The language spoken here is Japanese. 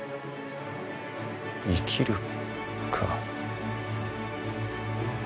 「生きる」か。